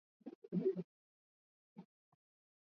kikwete alizaliwa katika kijiji cha msoga